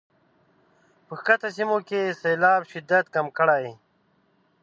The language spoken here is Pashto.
په ښکته سیمو کې د سیلاب شدت کم کړي.